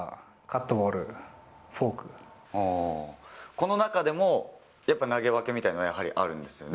この中でもやっぱり投げ分けみたいなのはあるんですよね。